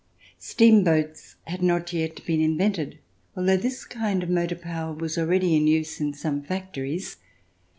STEAMBOATS had not yet been Invented, al though this kind of motor power was already in use in some factories.